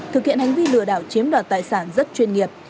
thực hiện hành vi lừa đảo chiếm đoạt tài sản rất chuyên nghiệp